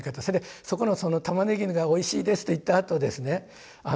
それでそこの「玉ねぎがおいしいです」と言ったあとですね